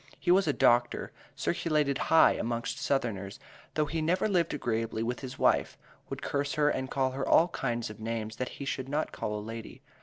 He was a doctor, circulated high amongst southerners, though he never lived agreeably with his wife, would curse her and call her all kinds of names that he should not call a lady.